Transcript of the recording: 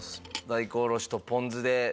大根おろしとポン酢で。